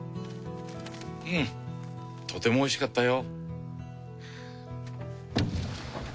うんとてもおいしかったよ。